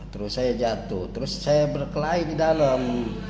terus saya jatuh terus saya berkelahi di dalam